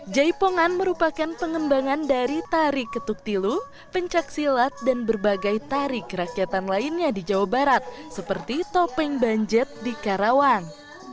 jaipongan merupakan pengembangan dari tari ketuk tilu pencaksilat dan berbagai tari kerakyatan lainnya di jawa barat seperti topeng banjet di karawang